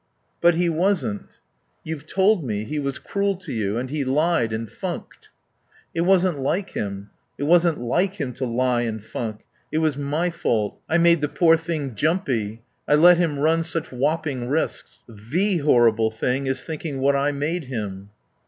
"But he wasn't." "You've told me. He was cruel to you. And he lied and funked." "It wasn't like him it wasn't like him to lie and funk. It was my fault. I made the poor thing jumpy. I let him run such whopping risks. The horrible thing is thinking what I made him."